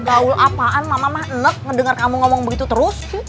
gaul apaan mama mama nenek ngedengar kamu ngomong begitu terus